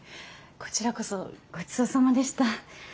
こちらこそごちそうさまでした。